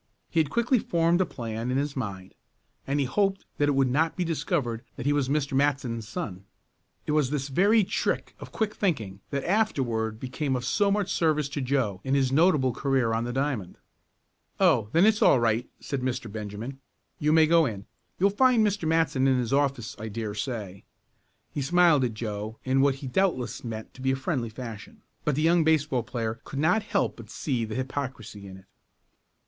He had quickly formed a plan in his mind, and he hoped that it would not be discovered that he was Mr. Matson's son. It was this very trick of quick thinking that afterward became of so much service to Joe in his notable career on the diamond. "Oh, then it's all right," said Mr. Benjamin. "You may go in. You'll find Mr. Matson in his office, I dare say." He smiled at Joe in what he doubtless meant to be a friendly fashion, but the young baseball player could not help but see the hypocrisy in it.